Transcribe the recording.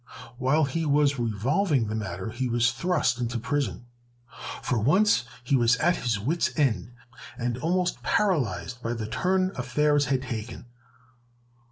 While he was revolving the matter, he was thrust into prison. For once he was at his wit's end, and almost paralyzed by the turn affairs had taken.